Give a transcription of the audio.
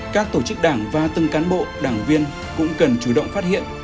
các tổ chức đảng và từng cán bộ đảng viên cũng cần chủ động phát hiện